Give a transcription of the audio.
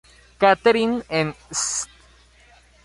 Catherine en St.